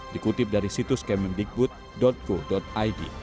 dikutip dari situs kemendikbud co id